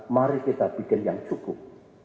mari kita bikin yang cukup